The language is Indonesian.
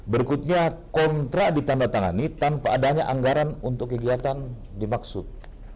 berikutnya kontrak ditandatangani tanpa adanya anggaran untuk kegiatan dimaksud